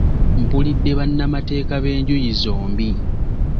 Mpulidde bannamateeka b’enjuuyi zombi.